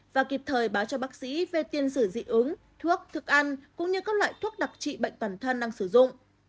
và kịp thời báo cho bác sĩ về tiền sử dị ứng thuốc thức ăn cũng như các loại thuốc đặc trị bệnh toàn thân đang sử dụng